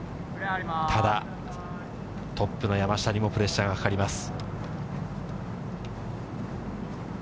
ただ、トップの山下にもプレッシャーがかかります。